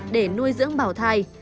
để nuôi dưỡng bảo thai